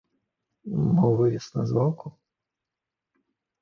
Мо вывез на звалку?